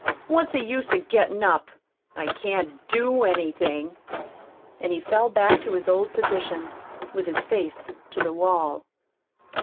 What's the use of gettin' up? I can't DO anything!" And he fell back to his old position, with his face to the wall.